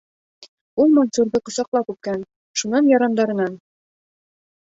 Ул Мансурҙы ҡосаҡлап үпкән, шунан ярандарынан: